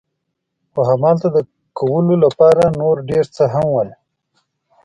خو همالته د کولو لپاره نور ډېر څه هم ول.